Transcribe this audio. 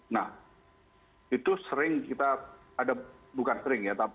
nah itu sering kita ada bukan sering ya